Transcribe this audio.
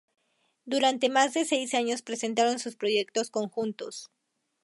Durante más de seis años presentaron sus proyectos conjuntos.